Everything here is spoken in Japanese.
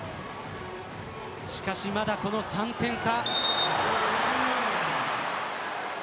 しかし、まだこの３点差。